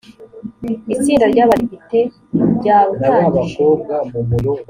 itsinda ry abadepite ryawutangije